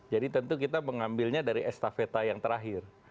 jadi tentu kita mengambilnya dari estafeta yang terakhir